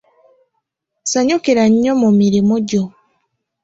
Sanyukira nnyo mu mirimu gyo.